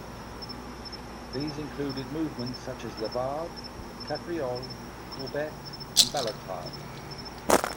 These included movements such as levade, capriole, courbette, and ballotade.